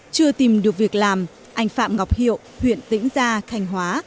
chưa tìm được việc làm anh phạm ngọc hiệu huyện tỉnh gia khánh hóa